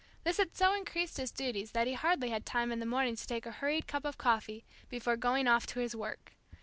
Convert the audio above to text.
This had so increased his duties that he hardly had time in the morning to take a hurried cup of coffee, before going off to his work.